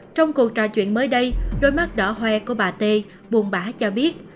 trong cuộc trò chuyện mới đây đôi mắt đỏ hoe của bà t buồn bã cho biết